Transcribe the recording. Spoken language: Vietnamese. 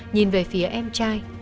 nhìn về phía em trai